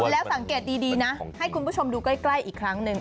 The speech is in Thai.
แล้วสังเกตดีนะให้คุณผู้ชมดูใกล้อีกครั้งหนึ่ง